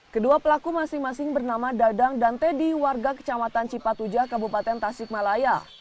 kedua pelaku masing masing bernama dadang dan teddy warga kecamatan cipat ujah kabupaten tasik malaya